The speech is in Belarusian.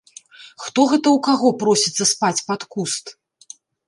Хто гэта ў каго просіцца спаць пад куст!?